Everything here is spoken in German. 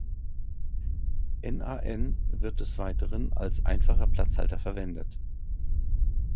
NaN wird des Weiteren als einfacher Platzhalter verwendet.